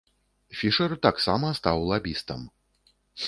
Фішэр таксама стаў лабістам.